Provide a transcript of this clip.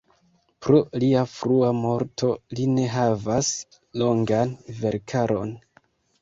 Pro lia frua morto li ne havas longan verkaron.